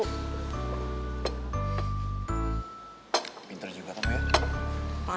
pinter juga kamu ya